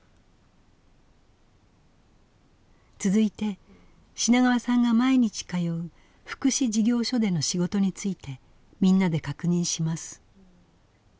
続いて品川さんが毎日通う福祉事業所での仕事についてみんなで確認します。